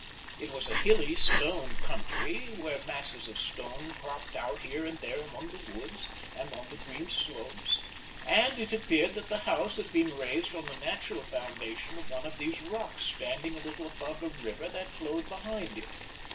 It was a hilly stone country where masses of stone cropped out here and there among the woods and on the green slopes, and it appeared that the house had been raised on the natural foundation of one of these rocks standing a little above the river that flowed behind it.